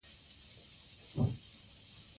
ښار کې نوی پل د خلکو تګ راتګ اسانه کړ